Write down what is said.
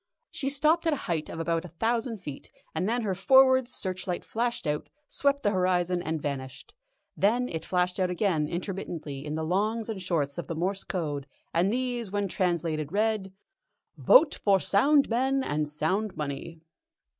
She stopped at a height of about a thousand feet, and then her forward searchlight flashed out, swept the horizon, and vanished. Then it flashed out again intermittently in the longs and shorts of the Morse Code, and these, when translated, read: "Vote for sound men and sound money!"